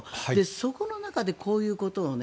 そこの中で、こういうことをね。